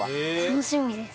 楽しみです。